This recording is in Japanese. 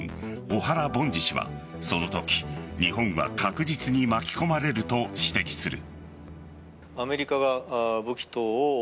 小原凡司氏は、そのとき日本は確実に巻き込まれると指摘する。